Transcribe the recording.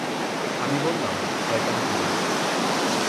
আমি বললাম, শয়তান পুরুষ।